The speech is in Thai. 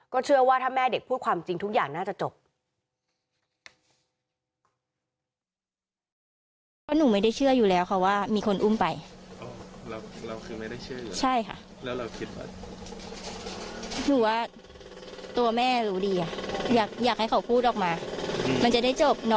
เชื่อว่าถ้าแม่เด็กพูดความจริงทุกอย่างน่าจะจบ